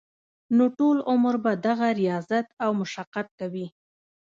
نو ټول عمر به دغه رياضت او مشقت کوي -